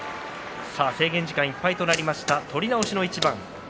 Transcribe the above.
制限時間いっぱいとなりました、取り直しの一番。